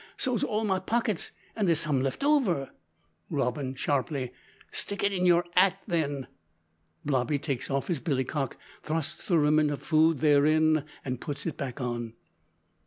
So's all my pockits, an' there's some left over!" (Robin sharply.) "Stick it in your 'at, then." (Blobby takes off his billycock, thrusts the remnant of food therein, and puts it on.)